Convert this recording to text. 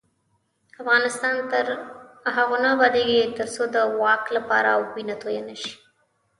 افغانستان تر هغو نه ابادیږي، ترڅو د واک لپاره وینه تویه نشي.